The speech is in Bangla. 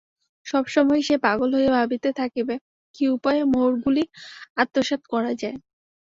সব সময়েই সে পাগল হইয়া ভাবিতে থাকিবে, কি উপায়ে মোহরগুলি আত্মসাৎ করা যায়।